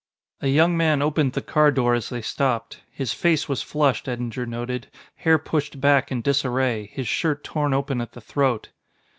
A young man opened the car door as they stopped. His face was flushed, Eddinger noted, hair pushed back in disarray, his shirt torn open at the throat.